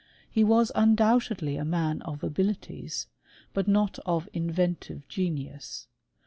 He was undoubtedly a man of abilities, but not of inventive genius.